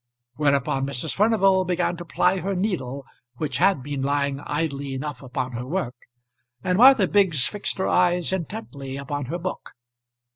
Whereupon Mrs. Furnival began to ply her needle which had been lying idly enough upon her work, and Martha Biggs fixed her eyes intently upon her book.